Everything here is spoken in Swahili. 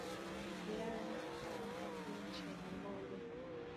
Ulaya na inakua kama nchi yenye nguvu Leo